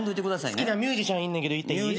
好きなミュージシャンいんねんけど言っていい？